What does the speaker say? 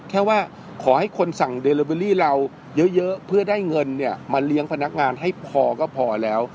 แค่ว่าขอให้คนสั่งเดลลิเบอรี่เราเยอะเพื่อได้เงินเนี่ยมาเลี้ยงพนักงานให้พอก็พอแล้ว